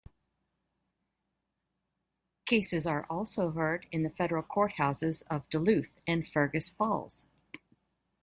Cases are also heard in the federal courthouses of Duluth and Fergus Falls.